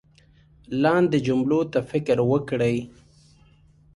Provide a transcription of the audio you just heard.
لاندې جملو ته فکر وکړئ